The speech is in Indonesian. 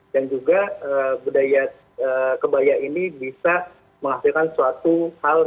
dan juga budaya kebaya ini bisa menghasilkan suatu hal